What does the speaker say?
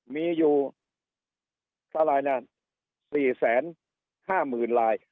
มีอยู่สลายน่ะสี่แสนห้ามืนราย